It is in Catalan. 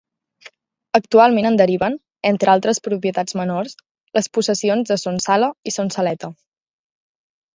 Actualment en deriven, entre altres propietats menors, les possessions de Son Sala i Son Saleta.